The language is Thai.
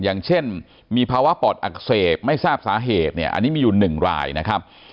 อย่างเช่นมีภาวะปอดอักเสบไม่ทราบสาเหตุเนี่ยอันนี้มีอยู่๑รายนะครับ